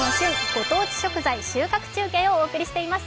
ご当地食材収穫中継」をお送りしています。